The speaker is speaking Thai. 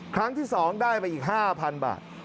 ครั้งที่๒ได้ไปอีก๕๐๐๐บาท